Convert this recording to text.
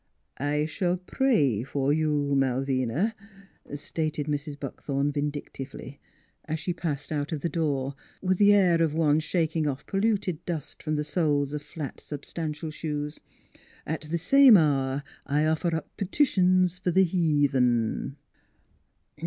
" I shall pray for you, Malvina," stated Mrs. Buckthorn vindictively, as she passed out of the door, with the air of one shaking off polluted dust from the soles of flat substantial shoes, " at the same hour I offer up p'titions fer the heathen.''